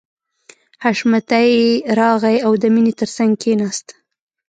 حشمتي راغی او د مینې تر څنګ کښېناست